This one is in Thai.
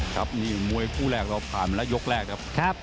ครับนี่มวยคู่แรกเราผ่านมาแล้วยกแรกครับ